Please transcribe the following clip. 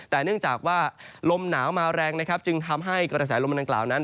แต่เนื่องจากว่าลมหนาวมาแรงนะครับจึงทำให้กระแสลมดังกล่าวนั้น